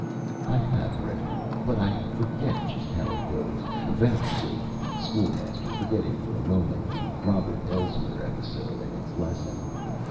"I have read it, but I forget just how it goes," vouchsafed the School Master, forgetting for a moment the Robert Elsmere episode and its lesson.